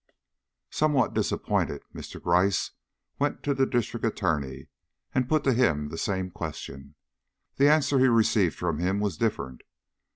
Somewhat disappointed, Mr. Gryce went to the District Attorney and put to him the same question. The answer he received from him was different.